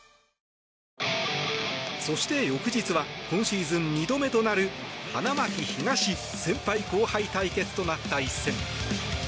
そして、翌日は今シーズン２度目となる花巻東先輩後輩対決となった一戦。